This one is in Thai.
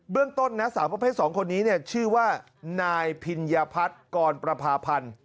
เรื่องต้นนะสาวประเภท๒คนนี้ชื่อว่านายพิญญาพัฒน์กรประพาพันธ์